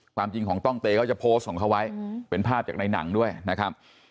ความจริงของต้องเตยเขาจะโพสต์ของเขาไว้เป็นภาพจากในหนังด้วยนะครับ